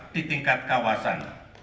di tingkat kawasan